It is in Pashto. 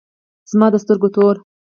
زما د سترگو تور